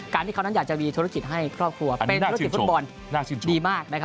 ที่เขานั้นอยากจะมีธุรกิจให้ครอบครัวเป็นธุรกิจฟุตบอลดีมากนะครับ